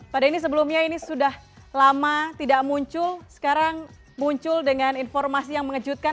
pak denny sebelumnya ini sudah lama tidak muncul sekarang muncul dengan informasi yang mengejutkan